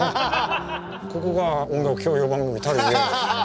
ここが音楽教養番組たるゆえんです。